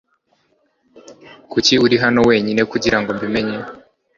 Kuki uri hano wenyine kugirango mbi menye